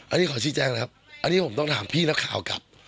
อันนี้ขอชี้แจ้งนะครับอันนี้ผมต้องถามพี่นักข่าวกลับ